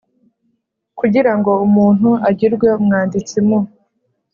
Kugira ngo umuntu agirwe Umwanditsi mu